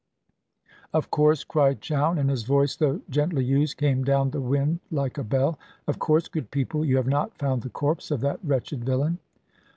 "Of course," cried Chowne, and his voice, though gently used, came down the wind like a bell; "of course, good people, you have not found the corpse of that wretched villain."